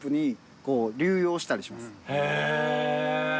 へえ。